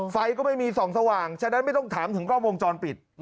ไฟก็ไม่มีส่องสว่างฉะนั้นไม่ต้องถามถึงกล้องวงจรปิด